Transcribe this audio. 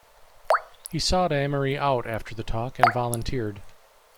He sought Amory out after the talk and volunteered.